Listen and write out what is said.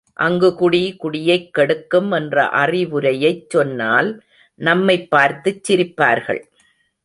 அங்கு குடி குடியைக் கெடுக்கும் என்ற அறிவுரையைச் சொன்னால் நம்மைப் பார்த்துச் சிரிப்பார்கள்.